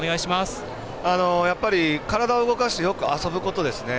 やっぱり体を動かしてよく遊ぶことですね。